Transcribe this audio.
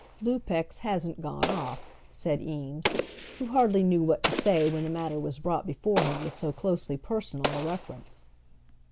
"Lupex hasn't gone off," said Eames, who hardly knew what to say when the matter was brought before him with so closely personal a reference.